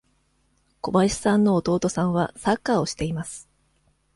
小林さんの弟さんはサッカーをしています。